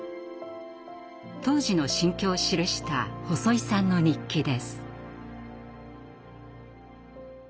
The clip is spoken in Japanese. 当時の心境を記した細井さんの日記です。